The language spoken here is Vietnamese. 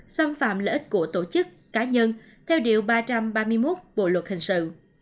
xâm phạm lợi ích của tổ chức cá nhân theo điều ba trăm ba mươi một bộ luật hình sự